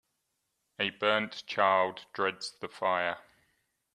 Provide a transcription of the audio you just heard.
A burnt child dreads the fire